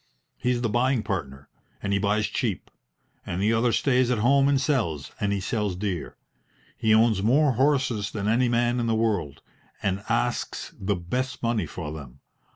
"He's the buying partner, and he buys cheap; and the other stays at home and sells, and he sells dear. He owns more horses than any man in the world, and asks the best money for them.